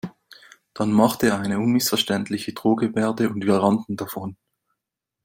Dann machte er eine unmissverständliche Drohgebärde und wir rannten davon.